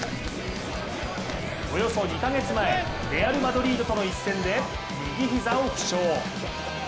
およそ２カ月前、レアル・マドリードとの一戦で右膝を負傷。